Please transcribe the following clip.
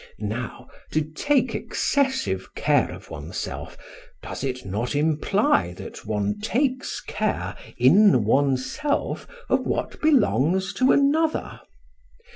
Now, to take excessive care of oneself, does it not imply that one takes care in oneself of what belongs to another?